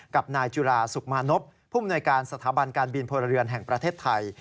กับนายจุฬาสุขมานพผู้มนวยการสถาบันการบินพลเรือนแห่งประเทศไทย